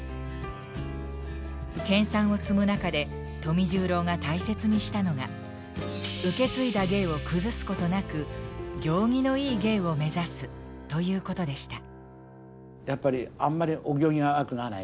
研鑽を積む中で富十郎が大切にしたのが受け継いだ芸を崩すことなく「行儀のいい芸」を目指すということでした。